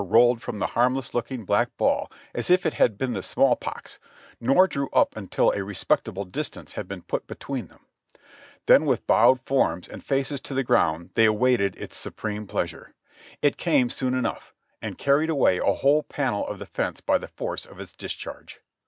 Y YANK rolled from the harmless looking black ball as if it had the small pox, nor drew up until a respectable distance had been put be tween them ; then with bowed forms and faces to the ground they awaited its supreme pleasure ; it came soon enough, and carried away a whole panel of the fence by the force of its dis charge.